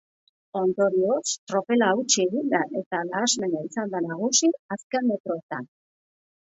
Ondorioz, tropela hautsi egin da eta nahasmena izan da nagusi azken metroetan.